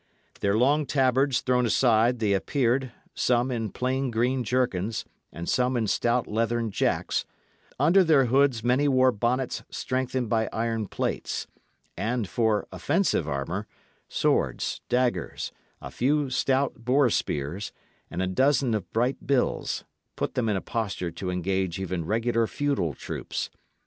Their long tabards thrown aside, they appeared, some in plain green jerkins, and some in stout leathern jacks; under their hoods many wore bonnets strengthened by iron plates; and, for offensive armour, swords, daggers, a few stout boar spears, and a dozen of bright bills, put them in a posture to engage even regular feudal troops.